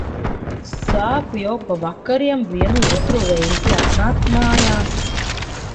Sāku jau pa vakariem vienu otru reizi atnākt mājās.